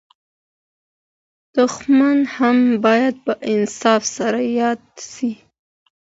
دښمن هم باید په انصاف سره یاد سي.